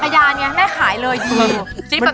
จักรยานไงแม่ขายเลยจริง